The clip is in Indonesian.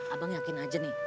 abang yakin aja nih